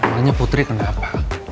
emangnya putri kenapa